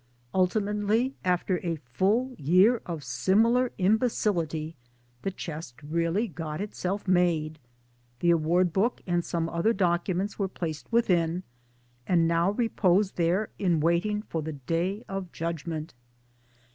Ultimately after a full year of similar imbecility, the chest really got itself made ; the Award Book and some other documents were placed within, and now repose there in waitingi for the Day of Judgment.